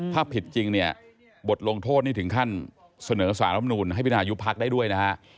ถ้าผิดจริงเนี่ยบทลงโทษนี่ถึงขั้นเสนอสารำนูลให้พินายุพักได้ด้วยนะฮะ